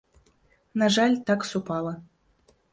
На жаль, так супала.